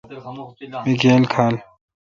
می گیل کھال۔